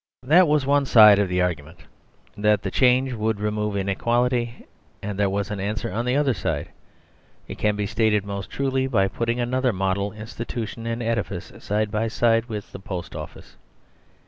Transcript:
That was one side of the argument: that the change would remove inequality; and there was an answer on the other side. It can be stated most truly by putting another model institution and edifice side by side with the Post Office.